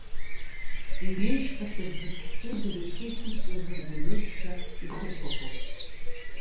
Иҩеижьхахьаз рыбӷьқәеи дареи ахьеиԥырҵуаз ргәырҩозшәа ихырқәақәон.